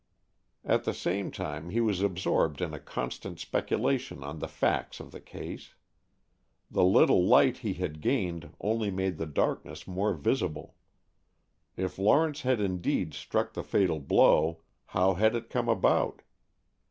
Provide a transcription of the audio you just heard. At the same time, he was absorbed in a constant speculation on the facts of the case. The little light he had gained only made the darkness more visible. If Lawrence had indeed struck the fatal blow, how had it come about?